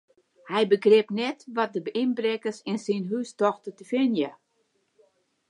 Hy begriep net wat de ynbrekkers yn syn hús tochten te finen.